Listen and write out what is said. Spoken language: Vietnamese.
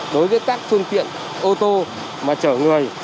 đối với các phương tiện ô tô mà chở người